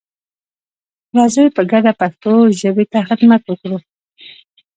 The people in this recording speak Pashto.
راځئ په ګډه پښتو ژبې ته خدمت وکړو.